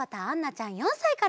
ちゃん４さいから。